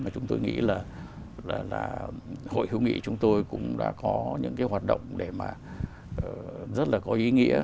chúng tôi nghĩ là hội hữu nghị chúng tôi cũng đã có những cái hoạt động để mà rất là có ý nghĩa